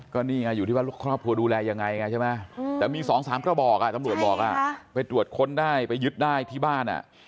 ก็นี่อยู่ที่ว่าครอบครัวดูแลยังไงใช่ไหมแต่มี๒๓ขบอกตรวจค้นได้ไปยึดได้ที่บ้าน